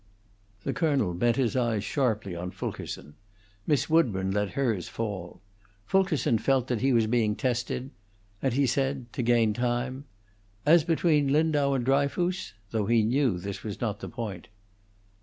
The colonel bent his eyes sharply on Fulkerson; Miss Woodburn let hers fall; Fulkerson felt that he was being tested, and he said, to gain time, "As between Lindau and Dryfoos?" though he knew this was not the point.